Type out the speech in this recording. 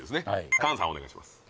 菅さんお願いします